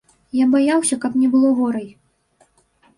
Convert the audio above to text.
Я баяўся, каб не было горай.